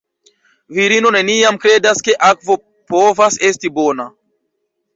Virino neniam kredas, ke akvo povas esti bona.